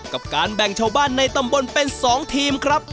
กับการแบ่งชาวบ้านในตำบลเป็น๒ทีมครับ